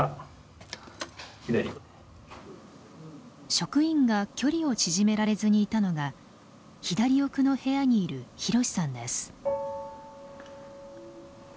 職員が距離を縮められずにいたのが左奥の部屋にいるひろしさんです。